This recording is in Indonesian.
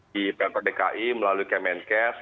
di pmpdki melalui kemenkes